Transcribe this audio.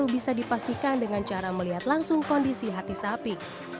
bisa dipastikan dengan cara melihat langsung kondisi hati sapi